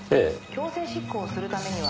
「強制執行するためには」